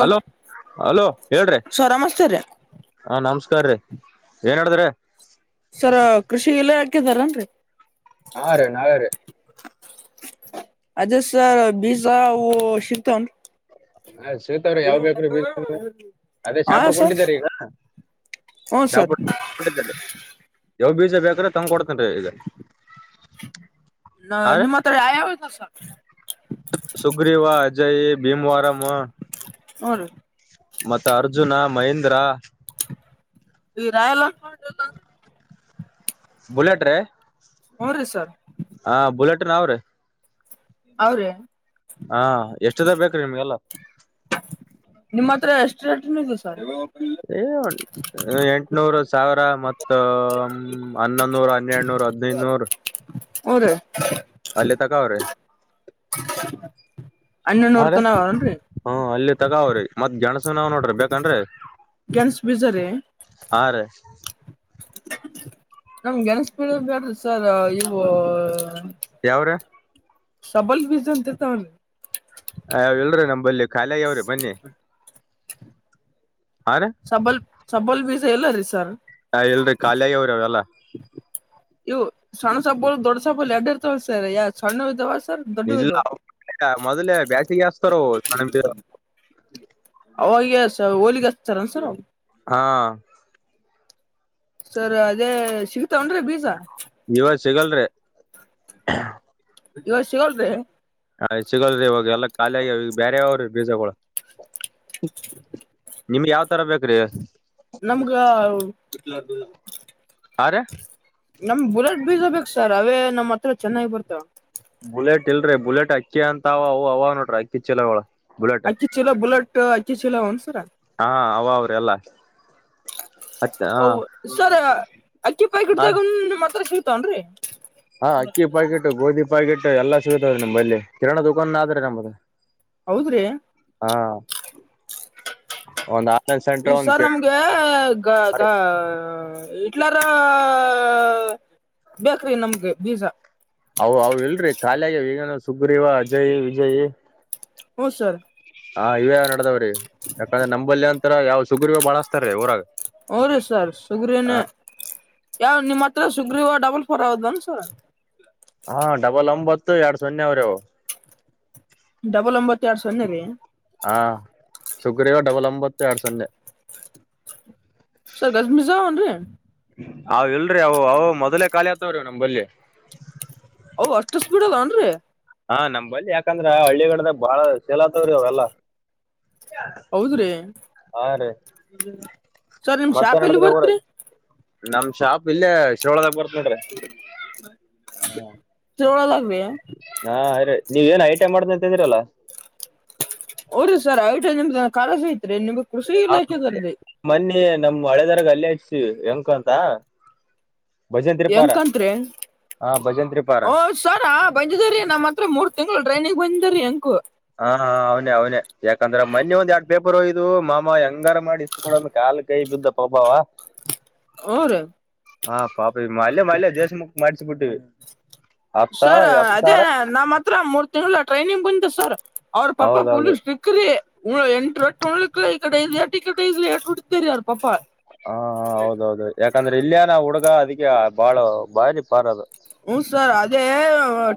Hello hello ಹೇಳ್ರಿ sir ನಮಸ್ತೆ ರೀ ಹಾ ನಮಸ್ಕಾರ್ರೀ ಏನ್ ಹೇಳ್ದ್ ರೀ ಸರ ಕೃಷಿ ಇಲಾಖೆದವರೇನ್ ರೀ ಹಾ ರೀ ನಾವೇ ರೀ ಅದೇ ಸರ್ ಬೀಜ ಶಿಗ್ತವನ್ ಸಿಗ್ತಾವ್ರಿ ಯಾವ್ ಬೇಕ್ರಿ ಬೀಜ ಅದೇ [unintelligible] ಹಾ ಶಾಪುರ್ ಸರ್ ಕೊಂಡಿದ್ದಾರೆ ಈಗ ಹ್ಮ್ ಸರ್ ಯಾವು ಬೀಜ ಬೇಕ್ರೆ ತಂದ್ ಕೊಡ್ತೇನ್ ರೀ ಈಗ ನ ಆ ನಿಮ್ಮ್ ಹತ್ತಿರ ಯ ಯಾವ್ ಇದ್ದಾವ್ ಸರ್ ಸುಗ್ರೀವಾ ಅಜಯ್ ಭೀಮವಾರಂ ಹ್ಮ್ ರೀ ಮತ್ತೆ ಅರ್ಜುನ ಮಹೇಂದ್ರ. ಇರಾಯಲ ಬುಲೆಟ್ ರೇ ಹ್ಮ್ ರೀ ಸರ್ ಹಾ ಬುಲೆಟ್ ಅವ್ರೀ ಅವ್ರೇ ಹಾ ಎಷ್ಟು ದೇ ಬೇಕ್ರೀ ನಿಮ್ಗೆಲ್ಲ ನಿಮ್ಮ್ ಹತ್ರ ಎಷ್ಟು ರೇಟಿಂದ್ ಇದೆ ಸರ್ ಏ ಎಂಟನೂರು ಸಾವಿರ ಮತ್ತು ಹನ್ನೊನೂರು ಹನ್ನೆಡ್ನೂರ್ ಹದಿನೈದುನೂರ್ ಹ್ಮ್ ರೀ ಅಲ್ಲಿ ತಕೊ ಅವ್ರೆ ಅಣ್ಣನೂ ರೀ ನೋಡರ್ತನಾವನ್ರಿ. ಹಾ ಅಲ್ಲಿ ತಗಾವ್ರಿ ಮತ್ ಗೆಣಸ ನಾವ್ ನೋಡ್ರಿ ಬೇಕನರಿ. ಗೆಣಸ್ ಬೀಜ ಹಾರಿ ನಮ್ಗೆ ಗೆಣಸ ಬೆಳಿಯೋರ್ ಬೇಡ ಸರ್ ಇವು.... ಯಾವ್ರ ಸಬಲ್ ಬಿಜ ಅಂತ ಇರತಾವ್ ಅಲ್ಲ ರಿ ಹಾ ಇಲ್ರಿ ನಂಬಲ್ಲಿ ಖಾಲಾಗಿ ಅವ್ರಿ ಮನ್ನೆ ಹಾ ರೀ ಸಬಲ್ ಸಬಲ್ ಬೀಜ ಎಲ್ಲರೀ ಸರ್ ಹ ಎಲ್ರಿ ಖಾಲಿ ಆಗ್ಯಾವರಿ ಅವೆಲ್ಲ ಇವು ಸಣ್ಣ ಸಬ ದೊಡ್ಡ ಸಬಲ್ ಎರಡ್ ಇರ್ತಾವ ಸಯಾ ಸಣ್ಣ ಇದ್ದಾವ ಇಲ್ಲ ಮೊದಲೇ ಬೇಸಿಗೆಸ್ತಾರ ಅವ ಸಣ್ಣವ ಇದ್ದಿದ್ರ್ ಅವಾಗ ಹೋಲಿಗೆಚ್ತಾರ ಏನ್ ಸರ್ ಹಾ ಸರ್ ಅದೇ ಸಿಗ್ತಾವನರಿ ಬೀಜ. ಇವಾಗ ಸಿಗಲ್ರರಿ. ಇವತ್ತ ಸಿಗೋಲ್ರಿ ಆ ಸಿಗಲ್ರರಿ ಇವಾಗ ಎಲ್ಲಾ ಖಾಲಿ ಅಗ್ಯಾವ್ ಬ್ಯಾರೆ ಯವರ ಬೀಜಗಳ [inaudible] ನಿಮ್ಗೆ ಯಾವ್ ತರ ಬೇಕ್ರಿ ನಮ್ಗೆ [unintelligible] ಹಾರಿ ನಮ್ ಬುಲೆಟ್ ಬೀಜ ಬೇಕ ಸರ್ ಅವೇ ನಮ್ ಹತ್ರ ಚೆನ್ನಾಗಿ ಬರ್ತಾವ ಬುಲೆಟ್ ಇಲ್ರರಿ ಬುಲೆಟ್ ಅಕ್ಕಿ ಅಂತ ಅವ ಅವು ಅವ ನೋಡ್ರಿ ಅಕ್ಕಿ ಚೀಲಗಳ ಬುಲೆಟ್ ಚೊಲೋ ಬುಲೆಟ್ ಅಕ್ಕಿ ಚೀಲವ ಸರ ಹಾ ಅವ ಅವ್ರಿ ಎಲ್ಲಾ ಓ ಸರಿ ಅಕ್ಕಿ ಹಾ ಪಾಕಿಟ ರೀ. ಗಂದು ನಿಮ್ಮ್ಹತ್ರ ಸಿಗ್ತಾವನ್ರರಿ ಹಾ ಅಕ್ಕಿ ಪಾಕೆಟ್ ಗೋಧಿ ಪಾಕೆಟ್ ಎಲ್ಲಾ ಸಿಗತವ್ರೀ ನಮ್ಲ್ಲಿ ಕಿರಣಾಣ ದುಕಾನ್ ಆದ್ರೆ ನಮ್ದ ಹೌದ್ರಿ [unintelligible] ಒಂದ್ ಆನ್ಲೈನ್ [unintelligible] ಈ ಸೆಂಟರ್ ಒಂದ್ ಸರ್ ಕೇಳ ನಮ್ಗೆ ಗ ಗ ಇಲ್ಲರ..... ಬೇಕ್ರಿ ನಮ್ಗೆ ಬೀಜ ಅ ಅವ್ ಇಲ್ರರಿ ಖಾಲಿ ಈಗನು ಸುಗ್ರೀವ ಅಜಯ್ ವಿಜಯ ಹ್ಮ ಸರ್ ಹಾ ಇವೇ ನಡ್ದಾವ್ರೀ ಯಾಕಂದ್ರ ನಂಬಲ್ಲಿ ಅಂತ ಯಾವ್ ಶುಗ್ರವ ಬಾಳಸ್ತಾರ ರೀ ಊರಾಗ. ಹ್ಞ ರೀ ಸರ್ ಸುಗ್ರೀನೇ [inaudible] ಯಾವ ನಿಮ್ಮ ಹತ್ರ ಸುಗ್ರೀವ ಡಬಲ್ ಫೋರ್ ಆದಾನ ಸರ್ ಹಾ ಡಬಲ್ ಒಂಬತ್ತು ಎರಡು ಸೊನ್ನೆ ಅವ್ರವು ಡಬಲ್ ಒಂಬತ್ತ ಎರಡ್ ಸನೇ ರೀ ಹಾ [inaudible] ಸುಗ್ರೀವ ಡಬಲ್ ಒಂಬತ್ತು ಎರಡ್ ಸನ್ನೆ ಸರ್ಗದ ಮಿಜಾವನ್ರೀ [inaudible] ಅವ್ ಇಲ್ರಿ ಅವು ಅವು ಮೊದಲೇ ಖಾಲಿ ಆತವ್ರೀ ನಮ ಬಲ್ಲಿ ಹೌ ಅಷ್ಟ ಸ್ಪೀಡ ಅದಾವ ಏನ್ ರಿ ಹಾ ನಮ್ಲ್ಲಿಿ ಯಾಕಂದ್ರ ಆ ಹಳ್ಳಿಗಡದಾಗ ಬಾಳ ಸೆಲ್ ಅಗತಾವ್ ರಿ ಅವೆಲ್ಲಾ ಹೌದ್ರಿ ಹಾ ರೀ ಸರ್ ನಿಮ್ ಮತ್ತೇನ್ ಶಾಪ್ ಎಲ್ಲಿ ನಡದೆತ್ರಿ ಊರಗ ಬರ್ತ್ರಿ [inaudible] ನಮ್ಮ ಶಾಪ್ ಇಲ್ಲೇ ಶಿರೋಳದಾಗ ಬರತ್ತ್ ನೋಡ್ರಿ [unintelligible] ಹಾ ಅ ನೀವ ಏನ್ ಐ ಟಐ ಮಾಡ್ದ ಅಂತ ಇದ್ರಲ್ಲಾ ಹೋದ್ರಿ ಸರ್ ಐ ಟಿಐ ನಿಮ್ದ್ ಕಾಲೇಜ್ ಐತ್ರಿ ನಿಮ್ಗ್ ಕೃಷಿ ಇಲ್ಲಾ ಇಲಾಖೆದಾರದರಿ ಮೊನ್ನಿ ನಮ ಹಳೆದರಾಗ ಅಲ್ಲಿ ಹಚ್ಚ ಎಂಕು ಅಂತ ಭಜನ್ತ್ರಿಪಾರ ಎಂಕಂತ್ರಿ ಹಾ ಭಜನ್ತ್ರಿಪಾರ ಸರ್ ಬಂದಿದ ರೀ ನಮ್ಮ ಹತ್ರ ಮೂರ್ ತಿಂಗಂಗಳು ಟ್ರೇನಿಂಗ ಬಂದಿದ್ರೀ ಅಕು ಹಾ ಹಾ ಅವನೆ ಅವ್ನೆ ಯಾಕಂದ್ರೆ ಮೊನ್ನೆ ಒಂದ್ ಎರಡ್ ಪೇಪರ್ ಹೋಗಿದ್ವು ಮಾಮ ಹೆಂಗಾರ ಮಾಡಿ ಇತ್ತುಕಡಂದ ಕಾಲ ಕೈ ಬಿದ್ದ ಪಾಪ ಅವ ಹು ರಿ [unintelligible] ನಮ್ಮ್ ಹತ್ರ ಮೂರ್ ತಿಂಗಳ ಟ್ರೈನಿಂಗ್ ಬಂದ ಸರ್ ಅವ್ರ ಪಾಪ ಫುಲ್ ಹೌದೌದು ಸ್ಟ್ರಿಕ್ಟ್ [unintelligible] ಹಾ ಹೌದೌದು ಯಾಕಂದ್ರೆ ಇಲ್ಲಿಯ ನ ಹುಡುಗ ಅದಕ್ಕೆ ಬಾಳ ಬಾರಿ ಪಾರ್ದು ಹ ಸರ್ ಅದೇ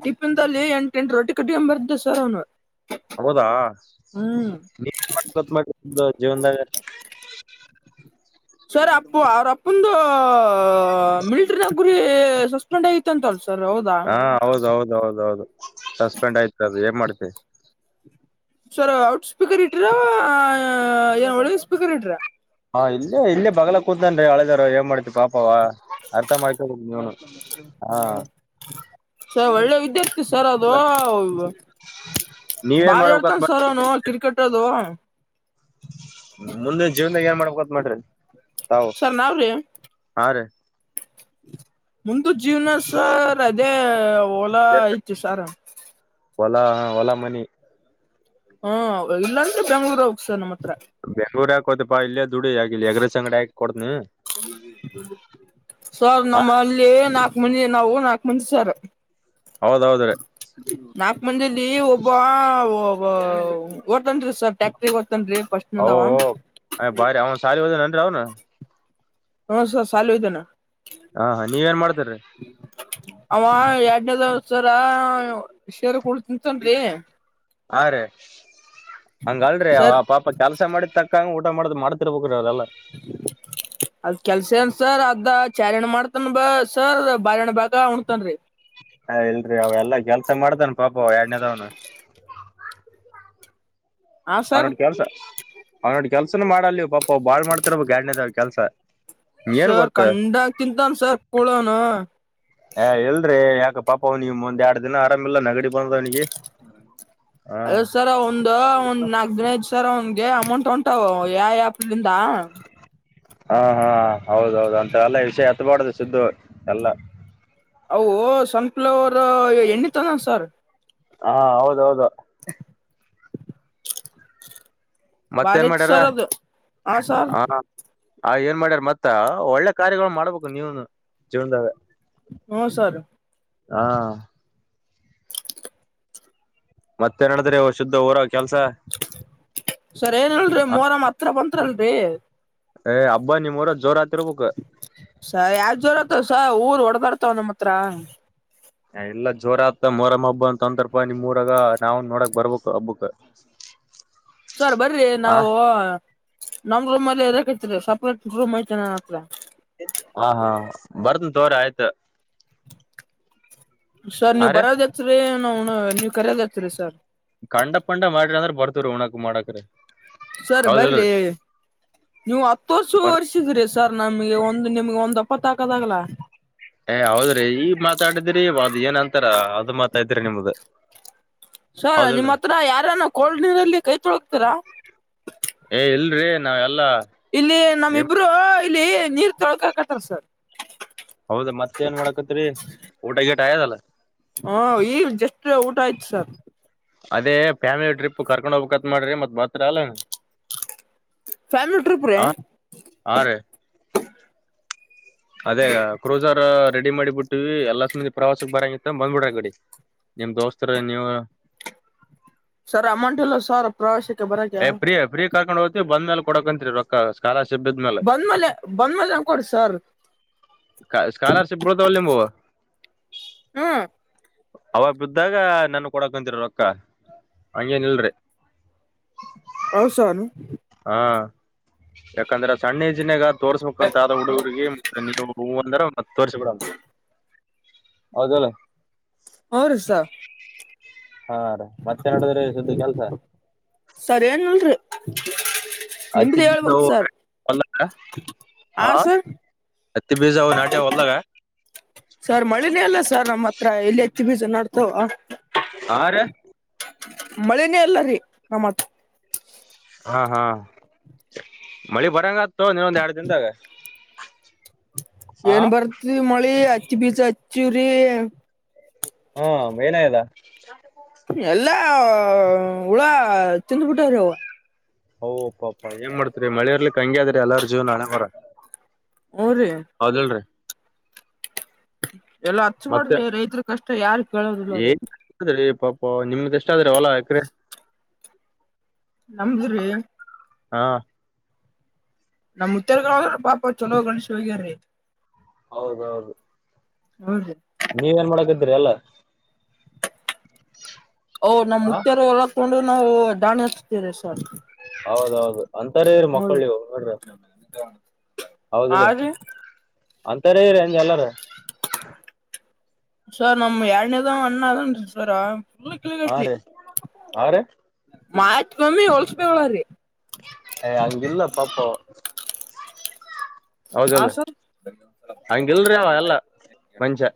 ಟಿಫ್ಯಾನ್ ಅಲ್ಲಿ ಎಂಟ ಎಂಟು ರೋಟಿ ಕಟ್ಕೊಂಡ ಬರ್ತಿದ್ದ ಸರ್ ಅವ್ನು ಹೌದಾ ನೀ ಮಾಡಬೇಕು ಜೀವನದಾಗ ಸರ್ ಅಪ್ಪು ಅವ್ರ ಅಪ್ಪಂದು ಮಿಲಿಟರಿ ನೌಕ್ರಿ ಸಸ್ಪೆಂಡ್ ಆಗಿತಂಲ್ ಸರ್ ಹೌದ ಹಾ ಹೌದ ಹೌದ ಹೌದ ಹೌದು ಸಸ್ಪೆಂಡ್ ಆಯ್ತು ಅದದು ಏನ್ ಮಾಡ್ತಿರಿ ಸರ್ ಲೌಡ್ ಸ್ಪೀಕರ್ ಇಟ್ರ ಏನ್ ಒಳ್ಗೆ ಸ್ಪೀಕರ್ ಇಟ್ರಾ ಹಾ ಇಲ್ಲೇ ಇಲ್ಲೇ ಬಗ್ಲ ಕೂತನ ಹಳೆದಾರ ಏನ್ ಮಾಡ್ತಿ ಪಾಪವ ಅರ್ಥ ಮಾಡ್ಕೊಳ್ಬೇಕ ನೀವನು ಹಾ ಸರ್ ಒಳ್ಳೆ ವಿದ್ಯಾರ್ಥಿ ಸರ್ ಅದು ನೀವೇನ್ ಬಾರಿ ಮಾಡ್ಬೇಕತ್ ಆಡ್ತನ್ ಮಾಡ ಸರ್ ಅವನು ಕ್ರಿಕೆಟ್ ಅದು ಮುಂದೆ ಜೀವನಾದಗ ಏನ್ ಮಾಡ್ಬೇಕತ್ ಮಾಡ್ರಿ ತಾವು ಸರ್ ನಾವ್ರಿ ಹಾ ರಿ ಮುಂದು ಜೀವ್ನ ಸರ್ ಅದೇ ಹೊಲಾ ಐತಿ ಸಾರ್ ಹೊಲ ಹೊಲ ಮನಿ ಹಾ ಇಲ್ಲಾಂದ್ರೆ ಬೆಂಗ್ಳೂರ್ ಹೋಗಸರ್ ನಮ್ಮ ಹತ್ರ ಬೆಂಗಳೂರು ಯಾಕ್ ಹೋಯ್ತಿ ಪಾ ಇಲ್ಲೇ ದುಡಿ ಆ ಸರ್ ನಮ್ಮಲ್ಲಿ ಅಲ್ಲಿ ನಾಕು ಮಂದಿ ನಾವು ನಾಕ್ ಮಂದಿ ಸರ್ ಹೌದೌದ್ರೀ ನಾಕು ಮಂದಿಲಿ ಒಬ್ಬ ಒ ಹೋಗ್ತಾನ್ರಿ ಸರ್ ಟ್ಯಾಕ್ಟ್ರಿಗೆ ಹೋಗತೇನ್ ರೀ ಫಸ್ಟ್ ನೆದವ ಅ ಭಾರಿ ಶಾಲಿಗೆ ಹೋಗವ್ನೇ ಏನ್ರೀ ಅವ್ನು ಹ್ಮ ಸ ಶಾಲೆಗೆ ಹೋಗಿದ್ದನೆ ಹಾ ಹಾ ನೀವೆನ್ ಮಾಡ್ತಿರಿ ಅವ ಎರಡನೆದವ್ನು ಸರ [unintelligible] ಹಾ ರೀ ಹಂಗಲ್ರಿ ಅವ ಸರ್ ಪಾಪ ಕೆಲಸ ಮಾಡಿದ ತಕ್ಕಂಗ ಊಟ ಮಾಡ್ದ್ ಮಾಡ್ತಿರ್ಬೇಕ್ರೀ ಅವೆಲ್ಲ ಅದ್ ಕೆಲ್ಸ ಏನ್ ಸರ್ ಅದ ಚಾರಿಣ್ ಮಾಡ್ತನ್ ಬ ಸರ್ ಬಾರಿಹಣ ಬಾಗ ಉಣತನ ರಿ ಹ ಇಲ್ರಿ ಅವ ಎಲ್ಲಾ ಕೆಲ್ಸ ಮಾಡತಾನ ಪಾಪ ಎರಡ್ನೇದಾವನು ಹಾ ಅವ ಸರ್ ನೋಡಿ ಕೆಲ್ಸ ಅವ್ ನೋಡಿ ಕೆಲ್ಸನ ಮಾಡ ಅಲ್ವ ಪಾಪ ಬಾಳ್ ಮಾಡತಾರ ನೋಡು ಎರಡನೆದವಾ ಕೆಲ್ಸ ಏನ್ ಸರ್ ಗೊತ್ತ ಕಂಡಗ್ ತಿಂತಾನ ಸರ್ ಕುೂಡೋನು ಹ ಎಲ್ರಿ ಯಾಕ ಪಾಪ ನಿಮ್ ಒಂದ್ ಎರಡ್ ದಿನ ಆರಾಮ ಇಿಲ್ಲ ನಗಡಿ ಅ ಸರ ಒಂದ ಒಂದ್ ನಾಕ್ ದಿನ ಸರ್ ಅವನ್ಗೆ ಅಮೌಂಟ್ ಉಂಟಾವ ಯಾವ ಯಾಪಲಿಂದ ಹಾ ಹಾ ಹೌದ ಹೌದ ಅಂತವೆಲ್ಲಾ ವಿಷಯ ಎತ್ಬಾರಡ್ದು ಸಿದ್ದು ಎಲ್ಲಾ. ಅವು ಸನ್ಫ್ಲವರ್ ಎಣ್ಣಿ ತಂದನ ಸರ್. ಹಾ ಹೌದ ಹೌದು. ಹಾ ಮತ್ತೇನ ಭಾರಿ ಐತ್ ಮಾಡ್ಯಾರ ಸರ್ ಅದು ಹ ಹಾ ಸರ್ ಅವನು ಆ ಏನ್ ಮಾಡ್ಯಾರ್ ಮತ್ತ ಒಳ್ಳೆ ಕಾರ್ಯಗಳು ಮಾಡ್ಬೇಕು ನೀವನು ಜೀವನ್ದಾಗ. ಹು ಸರ್. ಹಾ ಮತ್ತೇನ ನಡದ್ರಿ ಶುದ್ಧ ಊರ ಕೆಲ್ಸ. ಸರ ಏನಿಲ್ರಿ ಮೋರಂ ಹತ್ರ ಬಂತಂಲ್ರಿ. ಎ ಹಬ್ಬ ನಿಮ್ಮೋರಾಗ ಜೋರ ಆತಿರ್ಬೇಕು. ಸ ಯಾಕ ಜೋರ ಆತ ಸ ಊರ್ ಹೊಡದರ್ತಾವ ನಮ್ಮ ಹತ್ರ. ಎ ಇಲ್ಲಾ ಜೋರ ಆತ ಮೊರಂ ಹಬ್ಬ ಅಂತ ಅಂದರ್ಪ ನಿಮ್ಮೋರಾಗ ನಾವ ನೋಡಕ ರ್ಬಬೇಕ್ ಹಬ್ಬಕ. ಎಸ್ಕ್ಯೂಸ್. ಸರ್ ಬರಿ ನಾವು ನಮ್ಮ ರೂಮಲ್ಲೆ ಇರಕತಿರಿ ಸಪ್ರೇಟ್ ರೂಮ್ ಐತೆ ನನ್ನ ಹತ್ರ. ಹಾ ಹಾ ಬರ್ತನ ತೋರಿ ಆಯ್ತ. ಸರ್ ನೀವ್ ಅರೆ ಬರೋದ ಹೆಚ್ಚರಿ ನಾವ್ನ ಕರೆದ ಹೆಚ್ಚರಿ ಸರ್. ಕಂಡ ಪಂಡ ಮಾಡಿರಿ ಅಂದ್ರ ಬರ್ತೇವ್ರಿ ಉಣಕ್ ಮಾಡಕ್ರಿ. ಸರ್ ಹೌದಲ್ರಿ ಬರ್ರಿ. ನೀವು ಹತ್ತು ವರ್ಷ ಬರ್ ವರ್ಸಿದ್ರಿ ಸರ್ ನಮಗೆ ಒಂದು ನಿಮ್ಗೆ ಒಂದ್ಪತ್ತ ಹಾಕದಾಗಲ್ಲಾ. ಏ ಹೌದ್ರಿ ಈಗ ಮಾತಾಡಿದ್ರಿ ಒದ ಏನ್ ಅಂತಾರ ಅದು ಮಾತಾದ್ರಿ ನಿಮ್ದ. ಸರ್ ಹೌದಲ್ರಿ ನಿಮ್ಮ ಹತ್ರ ಯಾರನ ಕೋಲ್ಡ್ ನೀರಲ್ಲಿ ಕೈ ತೊಳತಾರಾ. ಏ ಇಲ್ರಿ ನಾವ ಎಲ್ಲಾ. ಇಲ್ಲಿ ನಮ್ಮ ಇಬ್ರು ಇಲ್ಲಿ ನೀರ್ ತೊಳ್ಕಕತ್ತಾರ ಸರ್. ಹೌದ ಮತ್ತ ಏನ್ ಮಾಡಕತ್ತಿರಿ ಊಟ ಗಿಟಾ ಆಗದಲ್ಲ. ಹು ಈಗ ಜಸ್ಟ್ ಊಟ ಆಯ್ತ ಸರ್. ಅದೇ ಫ್ಯಾಮಲಿ ಟ್ರಿಪ್ ಕರ್ಕೊಂಡ್ ಹೋಗಬೇಕಂತ್ ಮಾಡ್ರಿ ಮತ್ತ ಬರ್ತಿರಿಲ್ಲ. ಫ್ಯಾಮಿಲಿ ಟ್ರಿಪ್ರ್ಯಾ ಹಾ ಹಾ ರೀ ಅದೇ ಅ ಕ್ರೂಸರ. ರೆಡಿ ಮಾಡಿ ಬಿಟ್ಟುವಿ ಎಲ್ಲಾ ಸಬಧಿ ಪ್ರವಾಸಕ್ ಬರಂಗತ್ತ ಬಂದ್ಬಿಡ್ರ ಅಕಡಿ ನಿಮ್ಮ ದೋಸ್ತರ ನೀವು. ಸರ ಅಮೌಂಟಿಲ್ಲಾ ಸರ್. ಪ್ರವಾಸಕ್ಕೆ ಬರಾಕೆ. ಏ ಪ್ರೀ ಪ್ರೀ ಕರಕೊಂಡ್ ಹೊಯತೀವಿ ಬಂದ ಮೇಲೆ ಕೊಡಕಂತ್ರಿ ರೊಕ್ಕಾ ಕಾಲರಿಶಿಫ್ ಬದ್ಮೇಲೆ. ಬಂದಮೇಲೆ ಬಂದಮೇಲೆ ಅ ಕೊಡಿ ಸರ್. ಕಾ ಸ್ಕಾಲರ್ಶಿಪ್ ಬೀಳ್ತಾವಿಲ್ಲ ನಿಮುವು. ಹ್ಮ್ ಅವಾಗ ಬಿದ್ದಾಗ ನನಗ ಕೊಡಕ್ ಅಂತಿರಿ ರೊಕ್ಕ ಹಂಗೇನ್ ಇಲ್ರಿ. ಹೌ ಸರ. ಹಾ ಯಾಕಂದ್ರ. ಸಣ್ಣೆಜಿನ್ನೆಗ ತೋರ್ಸ್ಬೇಕಂತ ಆದ ಹುಡುಗುರಿಗಿ ನೀವು ಹೂ ಅಂದ್ರ ಮತ್ ತೋರ್ಸ ಬಿಡಲ್. ಹೌದಲ್ಲ. ಹುರಿ ಸರ್ ಹಾ ರೀ ಮತ್ತೆ ನಡದದ್ರಿ ಶುದ್ಧ ಕೆಲ್ಸ ಸರ ಏನ್ ಇಲ್ಲಡ್ರಿ. ಹತ್ತಿ ನಿಮ್ಮದೆ ಬೀಜ ಹೇಳ್ಬೇಕ ಸರ್ ಹೊಲ ಹ ಹಾ ಸರ್. ಹತ್ತಿ ಬೀಜವು ನಾಟೆ ಹೊಲ್ದಾಗ ಸರ್ ಮಳೆನೇ ಇಲ್ಲ ಸರ್ ನಮ್ಮ್ ಹತ್ರ ಎಲ್ಲಿ ಹೆತ್ತಿ ಬೀಜ ನಡ್ತಾವ ಹಾ ರಿ ಮಳಿನೇ ಇಲ್ಲ ರೀ ನಮ್ಮತ್ರ ಹಾ ಹಾ ಮಳಿ ಬರಂಗತ್ತು ತಗೋ ಇನ್ನೊಂದ್ ಎರಡ್ ದಿಂದಾಗ ಏನ್ ಬರ್ತ್ ಮಳಿ ಹತ್ತಿ ಬೀಜ ಹಚ್ಚಿವ್ರಿ ಹಾ ಮೈನಾಯದಾ ಹ [unintelligible] ಎಲ್ಲಾ ಹುಳ ತಿಿಂದ್ ಬಿಿಟ್ಟವ್ರಿ ಅವ ಅವು ಪಾಪ ಏನ್ ಮಾಡ್ತರಿ ಮಳಿ ಇರ್ಲಿ ಹಂಗಿದ್ರಿ ಎಲ್ಲರ ಜೀವ್ನ ಹಣೆ ಬರಹ ಹ್ಞೂ ರೀ ಹೌದಿಲ್ರಿ ಎಲ್ಲ ಹಚ್ಚ ಮತ್ತೆ ಮಾಡ್ರಿ ರೈತರ ಕಷ್ಟ ಯಾರ ಕೇಳೋದಿಲ್ಲ ರೀ ೀ ಪಾಪ ನಿಮ್ದ ಎಷ್ಟಾದ್ರೆ ಹೊಲಾ ಎಕ್ರ ನಮ್ದ್ರೀ ಹಾ ನಮ್ ಉತ್ತೇರ್ ಕ ಪಾಪ ಚಲೋ ಗಂಡುಸ್ರು ಹೋಗ್ಯಾರೀ ಹೌದೌದು ಹಹ್ಮ್ ರೀ ನೀವ ಏನ್ ಮಾಡಕತ್ತೀರಿ ಎಲ್ಲಾ [unintelligible] ಓ್ ನಮ್ ಮುುತ್ತ್ಯಾರ ಒಲಕೊಂಡು ನಾವು ದಾಣಿ ಹಚ್ತೀರ ಸರ್ ಹೌದೌದು ಅಂತರ ಇವ್ರ್ ಹ್ಞೂ ಮಕ್ಕಳ್ ರೀ ರಿ ನೋಡ್ರಿ ಆ ಹೌದಲ್ಲ ರೀ ಅಂತಾರೆ ರಂಜ ಎಲ್ಲಾರ ಸರ್ ನಮ್ ಎರಡನೆದು ಅಣ್ಣ ಅದನ್ ರಿ ಸರ್ ಫುಲ್ ಹಾ ಕಿಳಿಗಟ್ರಿ ರೀ ಹಾ ರೀ ಮಾತ್ ಕಮ್ಮಿ ಹೊಳ್ಸ್ಬೇಕೇಳ್ರೀ ಏ ಅಂಗಿಲ್ಲ ಪಾಪ ಆ ಹೌದಲ್ಲ ಸರ್ ಹಂಗಿಲ್ರಿೀ ಅವ ಅಲ್ಲ ಮನುಷ್ಯ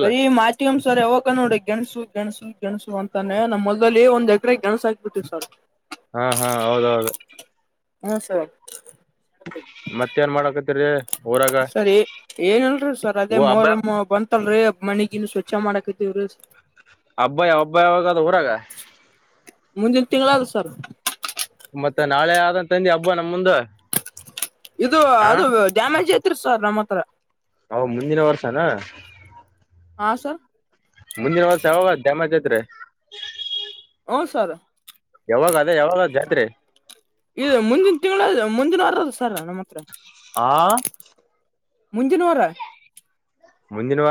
ಬರಿ ಮಾತಿ ಅಮ ಸರ್ ಯಾವಾಗ ನೋಡು ಗೆಣಸು ಗೆಣಸು ಗೆಣಸು ಅಂತಾನೆ ನಮ್ಮ ಹೊಲದಲ್ಲಿ ಒಂದ್ ಎಕರೆ ಗೆಣಸು ಹಾಕಿದ್ವಿ ಸರ್ ಹಾ ಹಾ ಹೌದೌದು ಹ್ಮ ಸರ್ ಮತ್ತ ಏನ್ ಮಾಡಕತ್ತಿರಿ ಸರಿ ಏನಿಲ್ರಿ ಸರ್ ಅದೇ ಓ ಹಬ್ಬ ಮೊಹರಂ ಬಂತ ತ್ತಲ್ರಿೀ ಮನಿಗಿನಿ ಸ್ವಚ್ಛ ಮಾಡಾಕತಿವ್ರೀ ಹಬ್ಬ ಹಬ್ಬ ಯಾವಾಗ ಅದ ಊರಾಗ ಮುಂದಿನ ತಿಂಗಳಾದ ಸರ್ ಮತ್ತೆ ನಾಳೆ ಆದಂತಂದಿ ಹಬ್ಬ ನಮ್ ಮುಂದ ಇದು ಹಾ ಅದು ಡ್ಯಾಮೇಜ್ ಐತಿರ ಸರ್ ನಮ್ಮ್ ಹತ್ರ ಹ ಮುಂದಿನ ವರ್ಷನಾ ಹಾ ಸರ್ ಮುಂದಿನ ವರ್ಷ ಯಾವಾಗ ಡ್ಯಾಮೇಾಜ್ ಐತ್ರಿ ಹು ಸರ್ ಯಾವಾಗ ಅದೇ ಯಾವಾಗ್ ಜಾತ್ರಿ ಇ ಮುಂದಿನ ತಿಂಗಳ ಮುಂದಿನ ವಾರ ಅದ ಸರ್ ನಮ್ಮ ಹತ್ರ ಆ ಮುಂದಿನ್ವಾರ. ಮುಂದಿನ ವಾರ.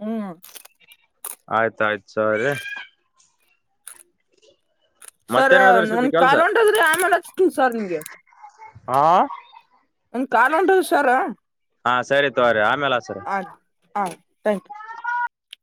ಹ್ಮ್ ಆಯ್ತಾಯ್ತು ಸರಿ. ಸರ್ ಮತ್ತೇನ್ ನಡದದ್ರಿ ಒಂದ ಸುದ್ದಿ ಕಾಲ್ ಕೆಲ್ಸ ಹೊಂಟದ್ರಿ ಆಮೇಲೆ ಹಚ್ತನ್ ಸರ್ ನಿಮ್ಗೆ. ಹಾ ಒಂದು ಕಾಲ್ ಹೋಟದ್ರಿ ಸರ. ಹಾ ಸರಿ ತೋರಿ ಆಮೇಲೆ ಹಚ್ಚರಿ. ಅ ಹ ಥಾಂಕ್ ಯು.